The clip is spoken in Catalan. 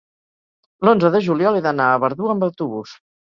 l'onze de juliol he d'anar a Verdú amb autobús.